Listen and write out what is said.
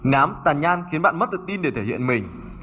nám tàn nhan khiến bạn mất tự tin để thể hiện mình